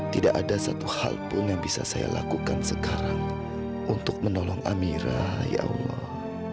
tidak ada satu hal pun yang bisa saya lakukan sekarang untuk menolong amira ya allah